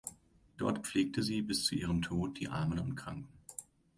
Dort pflegte sie bis zu ihrem Tod die Armen und Kranken.